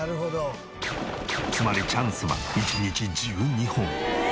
つまりチャンスは１日１２本。